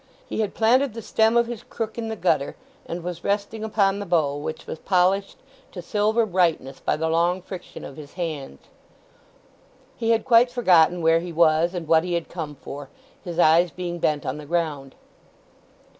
He had planted the stem of his crook in the gutter and was resting upon the bow, which was polished to silver brightness by the long friction of his hands. He had quite forgotten where he was, and what he had come for, his eyes being bent on the ground.